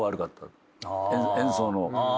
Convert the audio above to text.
演奏の。